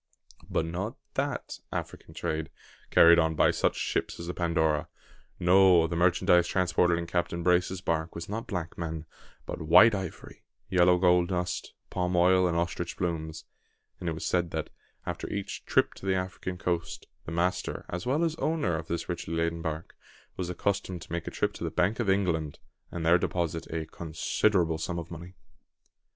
But not that African trade carried on by such ships as the Pandora. No; the merchandise transported in Captain Brace's bark was not black men, but white ivory, yellow gold dust, palm oil, and ostrich plumes; and it was said, that, after each "trip" to the African coast, the master, as well as owner, of this richly laden bark, was accustomed to make a trip to the Bank of England, and there deposit a considerable sum of money.